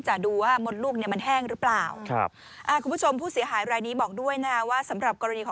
ของลูกเจอบอกว่าหมอใช้นิ้วสอดใส